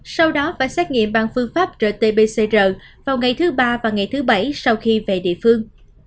sau đó phải xét nghiệm bằng phương pháp rt pcr vào ngày thứ ba và ngày thứ bảy sau khi về địa phương